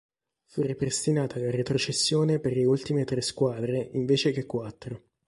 Fu ripristinata la retrocessione per le ultime tre squadre invece che quattro.